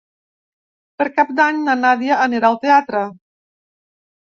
Per Cap d'Any na Nàdia anirà al teatre.